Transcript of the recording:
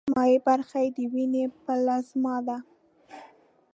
مایع برخه یې د ویني پلازما ده.